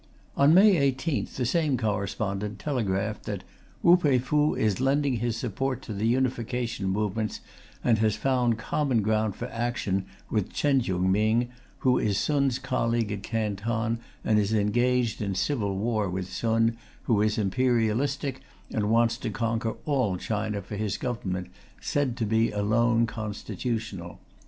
On May 18, the same correspondent telegraphed that "Wu Pei Fu is lending his support to the unification movements, and has found common ground for action with Chen Chiung Ming," who is Sun's colleague at Canton and is engaged in civil war with Sun, who is imperialistic and wants to conquer all China for his government, said to be alone constitutional.